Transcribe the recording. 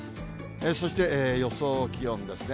そして予想気温ですね。